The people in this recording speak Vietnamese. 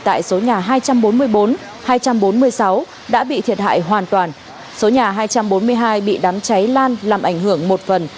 tại số nhà hai trăm bốn mươi bốn hai trăm bốn mươi sáu đã bị thiệt hại hoàn toàn số nhà hai trăm bốn mươi hai bị đám cháy lan làm ảnh hưởng một phần